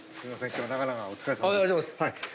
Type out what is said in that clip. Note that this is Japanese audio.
今日は長々お疲れさまです。